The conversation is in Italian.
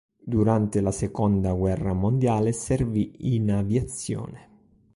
Durante la seconda guerra mondiale servì in aviazione.